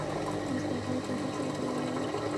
مس د افغان کلتور سره تړاو لري.